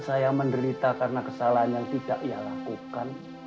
saya seperti menghadapi buah sii mahaka ma